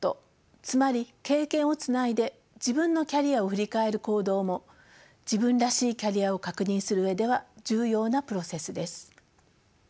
つまり経験をつないで自分のキャリアを振り返る行動も自分らしいキャリアを確認する上では重要なプロセスです。